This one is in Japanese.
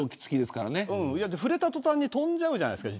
触れた途端に飛んじゃうじゃないですか。